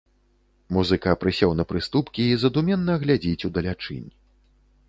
Музыка прысеў на прыступкі і задуменна глядзіць удалячынь.